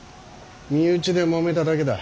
身内でもめただけだ。